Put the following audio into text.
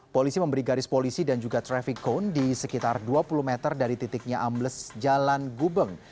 polisi memberi garis polisi dan juga traffic cone di sekitar dua puluh meter dari titiknya ambles jalan gubeng